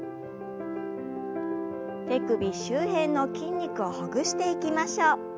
手首周辺の筋肉をほぐしていきましょう。